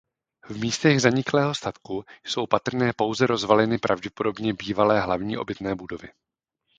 V místech zaniklého statku jsou patrné pouze rozvaliny pravděpodobně bývalé hlavní obytné budovy.